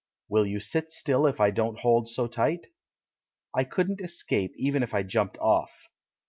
"Will you sit still if I don't hold so tight?" "I couldn't escape even if I jumped off."